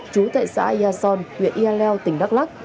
chú tại xã ia son huyện ia leo tỉnh đắk lắc